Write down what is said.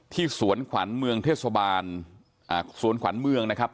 สวนขวัญเมืองเทศบาลสวนขวัญเมืองนะครับ